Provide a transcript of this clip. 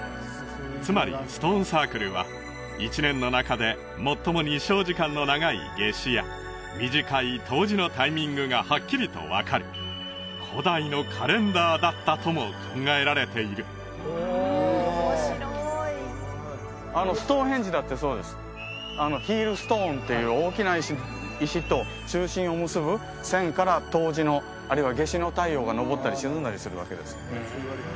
つまりストーンサークルは１年の中で最も日照時間の長い夏至や短い冬至のタイミングがはっきりと分かるだったとも考えられているあのストーンヘンジだってそうですヒールストーンっていう大きな石と中心を結ぶ線から冬至のあるいは夏至の太陽が昇ったり沈んだりするわけです